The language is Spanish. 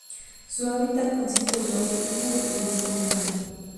Su hábitat consiste de bosque húmedo y bosque montano.